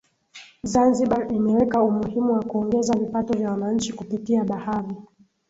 Zanzibar imeweka umuhimu wa kuongeza vipato vya wananchi kupitia bahari